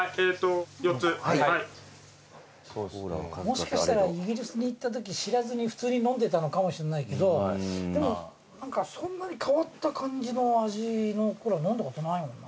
もしかしたらイギリスに行ったとき知らずに普通に飲んでたのかもしんないけどでも何かそんなに変わった感じの味のコーラ飲んだことないもんな。